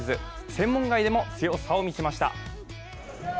専門外でも強さを見せました。